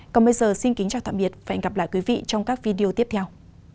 còn bây giờ xin kính chào tạm biệt và hẹn gặp lại quý vị trong các video tiếp theo